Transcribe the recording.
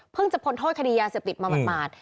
เพิ่งจะผนโทษคดียาเสียบติดมาหมาด